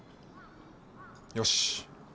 よし。